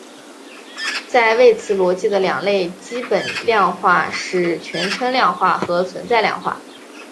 在谓词逻辑的两类基本量化是全称量化和存在量化。